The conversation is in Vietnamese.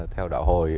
theo đạo hồi